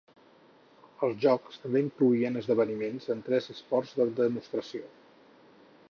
Els jocs també incloïen esdeveniments en tres esports de demostració.